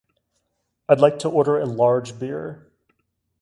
I'd like to order a large beer.